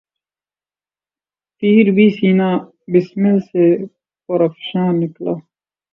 تیر بھی سینہٴ بسمل سے پر افشاں نکلا